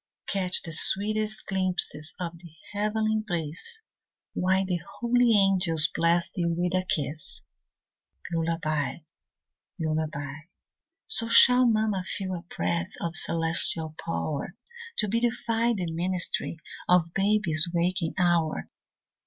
Catch the sweetest glimpses of the heavenly bliss, While the holy angels bless thee with a kiss. Lullaby, lullaby. So shall mamma feel a breath Of celestial power, To beautify the ministry, Of baby's waking hour.